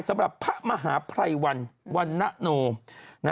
สำหรับพระมหาภัยวันวันนโน